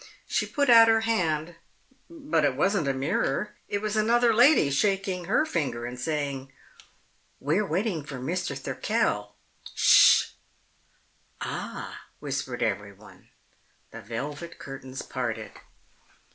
She put out her hand, but it wasn't a mirror; it was another lady shaking her fingers and saying: "We're waiting for Mr. Thirkell. Sh!" "Ah," whispered everyone. The velvet curtains parted.